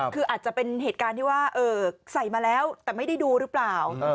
คืออาจจะเป็นเหตุการณ์ที่ว่าใส่มาแล้วแต่ไม่ได้ดูหรือเปล่า